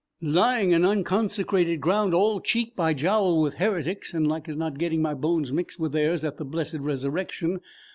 lying in unconsecrated ground all cheek by jowl with heretics, and like as not getting my bones mixed with theirs at the blessed resurrection.